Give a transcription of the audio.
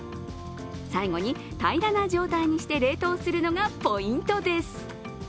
最後に平らな状態にして冷凍するのがポイントです。